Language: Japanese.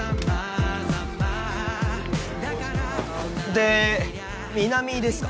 で南ですか？